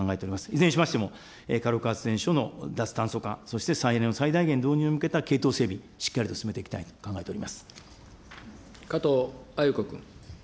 いずれにしましても、火力発電所の脱炭素化、そして再エネを、最大限導入に向けた系統整備、しっかり進めていきたいと考えてお加藤鮎子君。